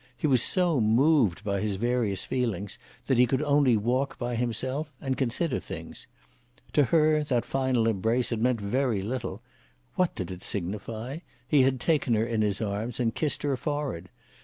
He was so moved by his various feelings, that he could only walk by himself and consider things. To her that final embrace had meant very little. What did it signify? He had taken her in his arms and kissed her forehead.